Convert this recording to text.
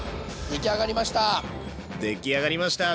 出来上がりました！